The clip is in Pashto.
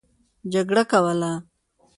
جګړه کوله.